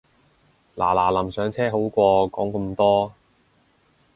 嗱嗱臨上車好過講咁多